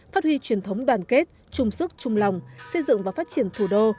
phát huy truyền thống đoàn kết chung sức chung lòng xây dựng và phát triển thủ đô